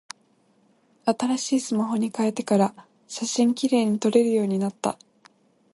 新しいスマホに変えてから、写真綺麗に撮れるようになった。